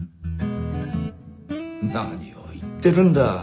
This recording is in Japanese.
何を言ってるんだ。